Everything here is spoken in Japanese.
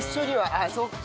ああそっか。